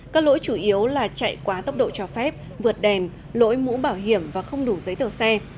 các lỗi chủ yếu là chạy quá tốc độ cho phép vượt đèn lỗi mũ bảo hiểm và không đủ giấy tờ xe